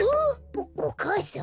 おお母さん？